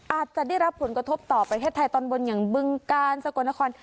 อาจจะได้รับผลกระทบต่อประเทศไทยตอนบนอย่างบึงกาลสกลนคร